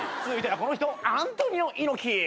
続いてはこの人アントニオ猪木。